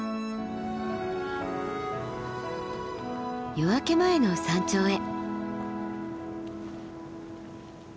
夜明け前の山頂へ。